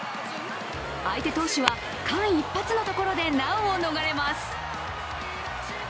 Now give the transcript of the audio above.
相手投手は間一髪のところで難を逃れます。